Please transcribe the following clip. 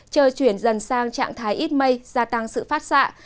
trời chuyển dần sang trạng thái ít mây gia tăng sự phát xạ